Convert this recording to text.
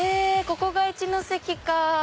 ここが一ノ関か。